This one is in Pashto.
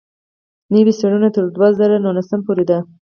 نوې څېړنه تر دوه زره نولسم پورې ده.